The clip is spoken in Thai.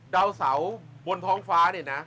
ดาวเสาบนท้องฟ้าเนี่ยนะ